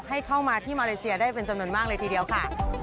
ให้เข้ามาที่มาเลเซียได้เป็นจำนวนมากเลยทีเดียวค่ะ